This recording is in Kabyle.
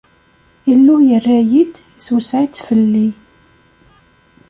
Illu yerra-yi-d, issewseɛ-itt fell-i.